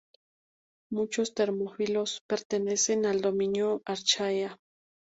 Muchos termófilos pertenecen al dominio Archaea.